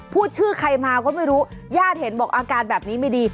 พูดชื่อใครมาก็ไม่รู้ญาติเห็นบอกอาการแบบนี้ไม่ดี